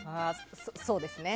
そうですね。